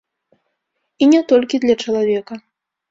І не толькі для чалавека.